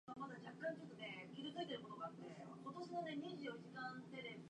ずっと外に出ていたこともある。体中の関節が堅くなり、体の先の感覚がなくなっていた。